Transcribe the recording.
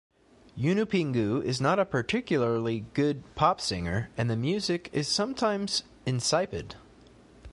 Yunupingu is not a particularly good pop singer, and the music is sometimes insipid.